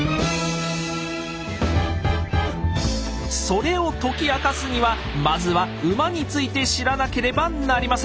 それを解き明かすにはまずは馬について知らなければなりません。